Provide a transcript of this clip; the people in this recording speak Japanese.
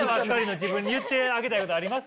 自分に言ってあげたいことあります？